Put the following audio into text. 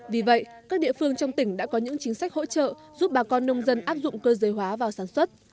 vì vậy các địa phương trong tỉnh đã có những chính sách hỗ trợ giúp bà con nông dân áp dụng cơ giới hóa vào sản xuất